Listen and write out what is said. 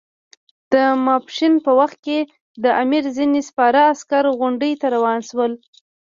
د ماپښین په وخت کې د امیر ځینې سپاره عسکر غونډۍ ته روان شول.